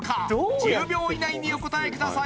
１０秒以内にお答えください